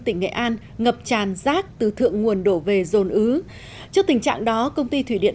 tỉnh nghệ an ngập tràn rác từ thượng nguồn đổ về dồn ứ trước tình trạng đó công ty thủy điện